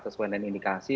sesuai dengan indikasi